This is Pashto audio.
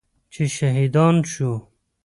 چې شهیدان شو.